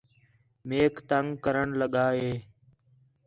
میک تنگ کرݨ لڳا ہِے